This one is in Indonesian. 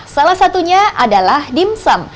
salah satunya adalah dimsum